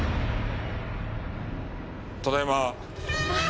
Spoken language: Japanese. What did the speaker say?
ただいま。